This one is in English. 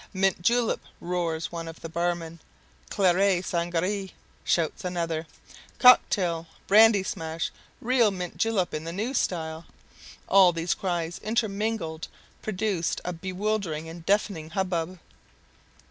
"Mint julep" roars one of the barmen; "Claret sangaree!" shouts another; "Cocktail!" "Brandy smash!" "Real mint julep in the new style!" All these cries intermingled produced a bewildering and deafening hubbub.